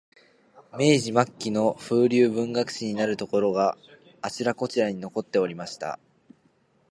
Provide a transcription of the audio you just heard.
明治末期の風流文学史になるところが、あちらこちらに残っておりました